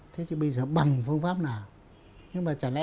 thế thì bây giờ bằng phương pháp nào